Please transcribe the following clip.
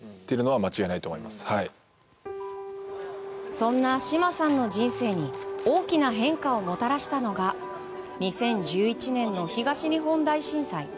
そんな嶋さんの人生に大きな変化をもたらしたのが２０１１年の東日本大震災。